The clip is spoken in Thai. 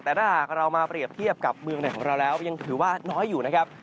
แต่ถ้าหากเรามาเปรียบเทียบกับเมืองไหนของเราแล้วยังถือว่าน้อยอยู่นะครับ